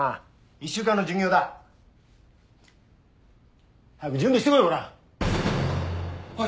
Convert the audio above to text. １週間の巡業だ。早く準備してこい。